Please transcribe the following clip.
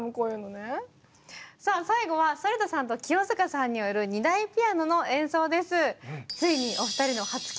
さあ最後は反田さんと清塚さんによる２台ピアノの演奏です。